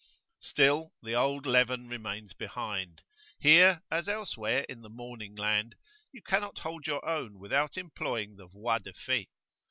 Still the old leaven remains behind: here, as elsewhere in the "Morning land," you cannot hold your own without employing the voie de fait.